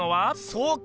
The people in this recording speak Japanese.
そうか！